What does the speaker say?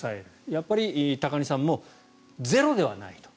やっぱり、高荷さんもゼロではないと。